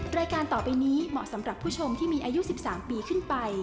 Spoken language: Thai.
รายการต่อไปนี้เหมาะสำหรับผู้ชมที่มีอายุ๑๓ปีขึ้นไป